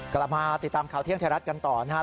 กลับมาติดตามข่าวเที่ยงไทยรัฐกันต่อนะครับ